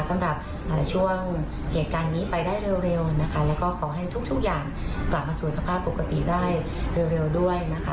สำหรับช่วงเหตุการณ์นี้ไปได้เร็วนะคะแล้วก็ขอให้ทุกอย่างกลับมาสู่สภาพปกติได้เร็วด้วยนะคะ